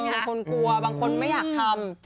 บางคนกลัวบางคนไม่อยากทำ